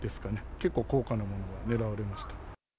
結構高価なものが狙われました。